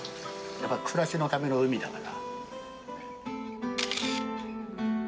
暮らしのための海だから。